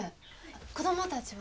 子供たちは？